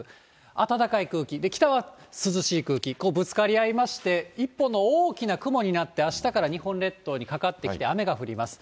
暖かい空気、北は涼しい空気、ぶつかり合いまして、一本の大きな雲になって、あしたから日本列島にかかってきて、雨が降ります。